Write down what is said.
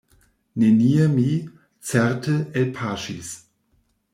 Nenie mi, certe, elpaŝis.